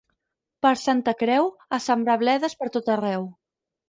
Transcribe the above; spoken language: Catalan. Per Santa Creu, a sembrar bledes per tot arreu.